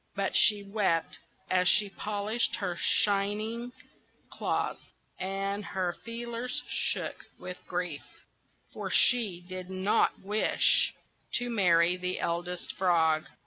But she wept as she polished her shining claws, and her feelers shook with grief; for she did not wish to marry the Eldest Frog.